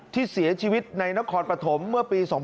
ที่เสียชีวิตในนครปฐมเมื่อปี๒๕๖